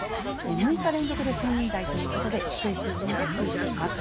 ６日連続で１０００人台ということで、低い水準で推移しています。